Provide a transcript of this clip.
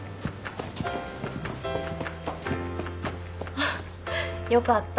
あっよかった。